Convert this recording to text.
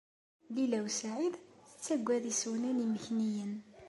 Lila u Saɛid tettagad isunan imekniyen.